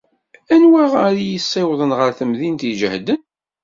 Anwa ara iyi-issiwḍen ɣer temdint iǧehden?